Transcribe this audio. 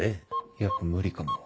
やっぱ無理かも。